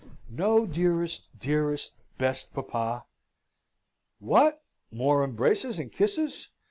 "No, dearest, dearest, best papa!" "What! more embraces and kisses!